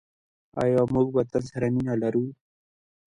آیا موږ وطن سره مینه لرو؟